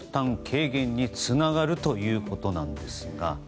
軽減につながるということなんですが。